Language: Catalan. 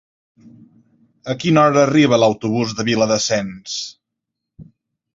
A quina hora arriba l'autobús de Viladasens?